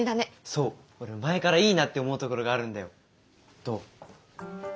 そう俺前からいいなって思う所があるんだよ。